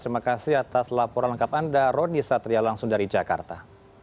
terima kasih atas laporan lengkap anda roni satria langsung dari jakarta